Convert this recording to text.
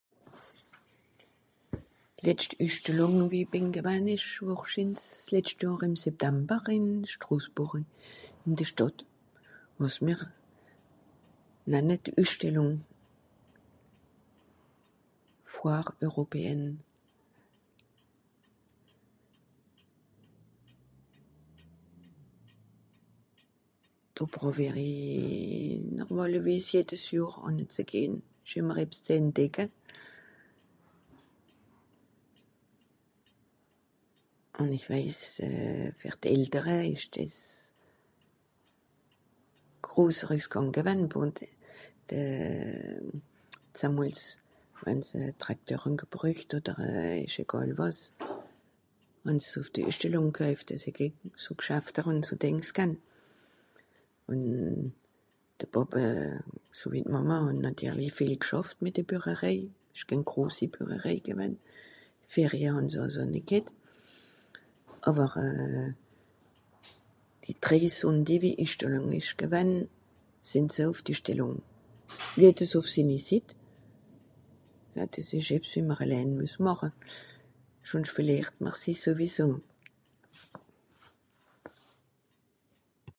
D'letscht Üssstellùng wie i bìn gewann ìsch wohrschins s'letscht Johr ìm Septamber ìn Strosbùrri, ìn de Stàdt, wàs mìr nanne d'Üsstellùng. Foire Européenn. Do prowìer i normàlewiss jedes Johr ànnezegehn, ìch ìmmer ebbs ze entdecke. Ùn ìch weis fer d'Eltere ìsch dìs groser Üsgàng gewann, bon de... sallamols wenn se Tracteur hàn gebrücht odder ìsch egàl wàs. Wenn se ùff de Üssstellùng koeift (...) so Gschafter ùn so dìngs gann. ùn de Pàppe so wie d'Màmme hàn nàtirlisch vìel gschaft mìt de Bürarèi. Ìsch kén grosi Bürarèi gewann. Ferie hàn se àlso nìe ghet. Àwer euh... die (...) gewann, sìnn se ùff d'Üssstellùng. Jedes ùff sinni Sitt. Hein dìs ìsch ebbs wie mr ellän mues màche. Schùnsch verlìert mr si sowieso.